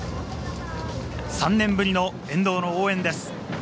３年ぶりの沿道の応援です。